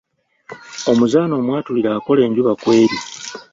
Omuzaana omwatulire akola enjuba kweri.